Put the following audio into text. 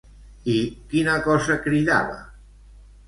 I quina cosa cridava?